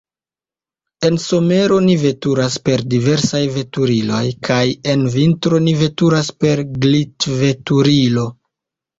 En somero ni veturas per diversaj veturiloj, kaj en vintro ni veturas per glitveturilo.